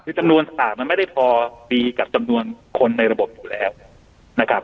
คือจำนวนต่างมันไม่ได้พอดีกับจำนวนคนในระบบอยู่แล้วนะครับ